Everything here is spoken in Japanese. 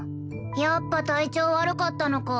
やっぱ体調悪かったのか。